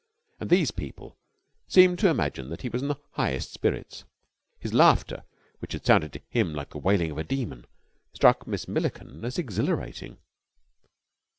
And these people seemed to imagine that he was in the highest spirits. His laughter, which had sounded to him like the wailing of a demon, struck Miss Milliken as exhilarating.